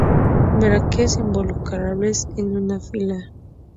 Brácteas involucrales en una fila.